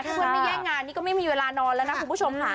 ถ้าเพื่อนไม่แย่งงานนี่ก็ไม่มีเวลานอนแล้วนะคุณผู้ชมค่ะ